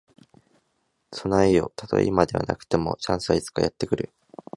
備えよ。たとえ今ではなくとも、チャンスはいつかやって来る。